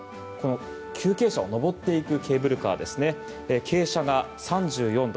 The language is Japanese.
急傾斜を上るケーブルカーで傾斜が３４度。